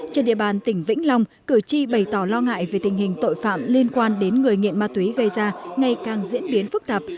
trên địa bàn tỉnh vĩnh long cử tri bày tỏ lo ngại về tình hình tội phạm liên quan đến người nghiện ma túy gây ra ngày càng diễn biến phức tạp